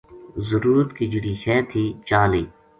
ضرورت کی جہیڑی شے تھی چا لئی